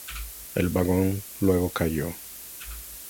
El vagón luego cayó.